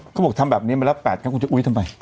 เขาบอกทำแบบนี้มาละแปดแล้วคุณจะอุ้ยทำไม